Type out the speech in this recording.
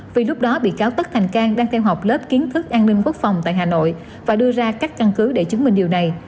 vì lúc đó bị cáo tất thành cang đang theo học lớp kiến thức an ninh quốc phòng tại hà nội và đưa ra các căn cứ để chứng minh điều này